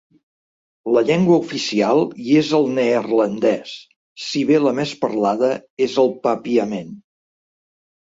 La llengua oficial hi és el neerlandès, si bé la més parlada és el papiament.